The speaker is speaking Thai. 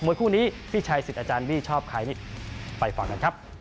คู่นี้พี่ชัยสิทธิ์อาจารย์บี้ชอบใครนี่ไปฟังกันครับ